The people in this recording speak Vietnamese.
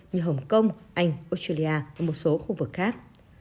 như hồng kông anh australia và một số khu vực khác